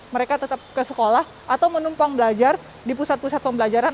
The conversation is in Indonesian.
mereka tetap ke sekolah atau menumpang belajar di pusat pusat pembelajaran